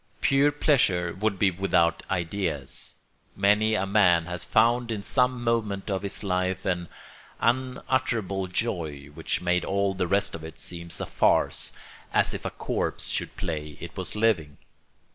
Pure pleasure would be without ideas. Many a man has found in some moment of his life an unutterable joy which made all the rest of it seem a farce, as if a corpse should play it was living.